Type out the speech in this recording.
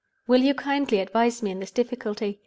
"Will you kindly advise me in this difficulty?